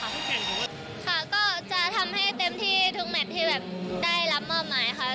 แข่งค่ะก็จะทำให้เต็มที่ทุกแมทที่แบบได้รับมอบหมายค่ะ